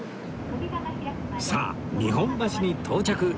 さあ日本橋に到着